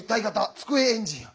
机エンジンや。